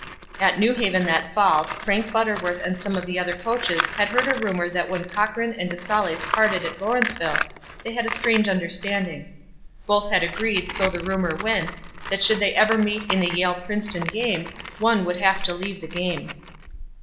At New Haven that fall Frank Butterworth and some of the other coaches had heard a rumor that when Cochran and de Saulles parted at Lawrenceville they had a strange understanding. Both had agreed, so the rumor went, that should they ever meet in a Yale Princeton game, one would have to leave the game.